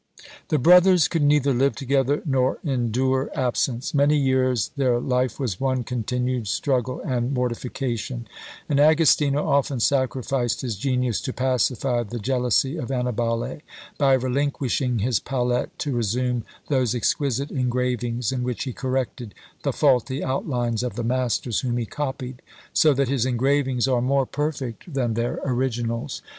" The brothers could neither live together nor endure absence. Many years their life was one continued struggle and mortification; and Agostino often sacrificed his genius to pacify the jealousy of Annibale, by relinquishing his palette to resume those exquisite engravings, in which he corrected the faulty outlines of the masters whom he copied, so that his engravings are more perfect than their originals.